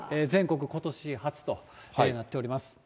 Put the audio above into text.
全国ことし初となっております。